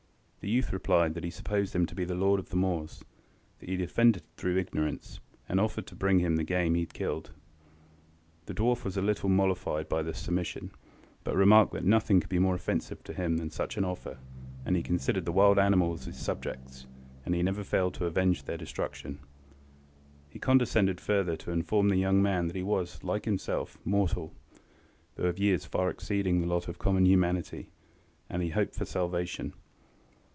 The youth replied that he supposed him to be the lord of the moors; that he had offended through ignorance; and offered to bring him the game he had killed. The dwarf was a little mollified by this submission, but remarked that nothing could be more offensive to him than such an offer, as he considered the wild animals as his subjects, and never failed to avenge their destruction. He condescended further to inform the young man that he was, like himself, mortal, though of years far exceeding the lot of common humanity, and that he hoped for salvation.